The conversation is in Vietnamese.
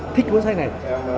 thích cuốn sách này